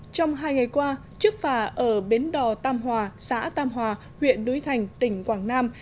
trong hai ngày qua chiếc phà ở bến đò tam hòa xã tam hòa huyện núi thành tỉnh quảng nam